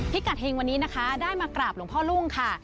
กัดเฮงวันนี้นะคะได้มากราบหลวงพ่อลุงค่ะ